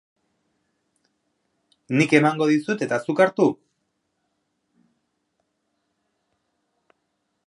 Nik emango dizut eta zuk hartu?